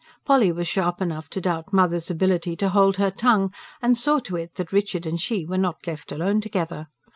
Polly was sharp enough to doubt "mother's" ability to hold her tongue; and saw to it that Richard and she were not left alone together.